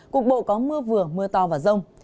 cục bộ có mưa vừa mưa to và rông